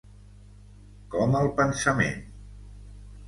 Com el pensament.